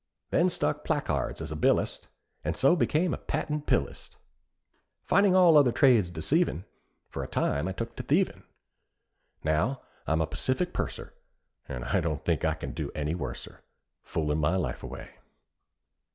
Then stuck pla cards as a billist, And so became a patent pill ist. Finding all other trades deceiving, For a time I took to thieving. Now I'm a Pacific purser, And don't think I can do any worser, Foolin' my life away.